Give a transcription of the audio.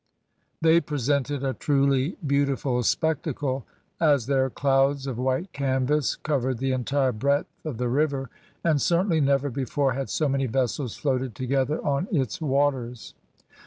They presented a truly beautiful spectacle, as their clouds of white canvas covered the entire breadth of the river, and certainly never before had so many vessels floated together on its waters.